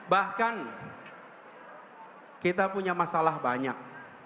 bahkan kita punya masalah banyak